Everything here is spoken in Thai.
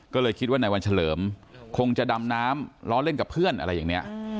ก็เลยคิดว่านายวันเฉลิมคงจะดำน้ำล้อเล่นกับเพื่อนอะไรอย่างนี้